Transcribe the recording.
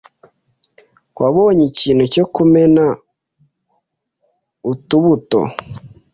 Wabonye ikintu cyo kumena utubuto?